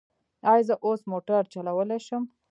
ایا زه اوس موټر چلولی شم؟